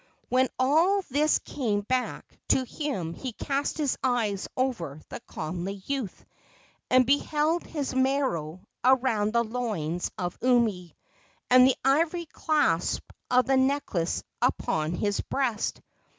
When all this came back to him he cast his eyes over the comely youth, and beheld his maro around the loins of Umi, and the ivory clasp of his necklace upon his breast.